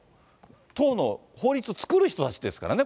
党の法律を作る人たちですからね。